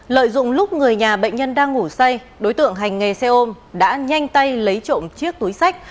lợi dụng lúc người nhà bệnh nhân đang ngủ say đối tượng hành nghề xe ôm đã nhanh tay lấy trộm chiếc túi sách